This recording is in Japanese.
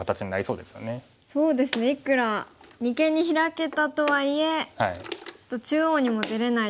そうですねいくら二間にヒラけたとはいえちょっと中央にも出れないですし。